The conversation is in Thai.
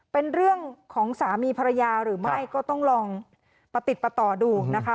เป็นเรื่องของสามีภรรยาหรือไม่ก็ต้องลองประติดประต่อดูนะคะ